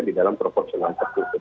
di dalam proporsional tertutup